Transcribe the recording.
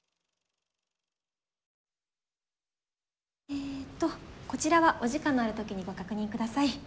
えとこちらはお時間のある時にご確認ください。